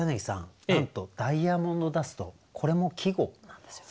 なんと「ダイヤモンドダスト」これも季語なんですよね。